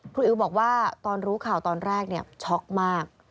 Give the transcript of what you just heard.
อิ๋วบอกว่าตอนรู้ข่าวตอนแรกช็อกมาก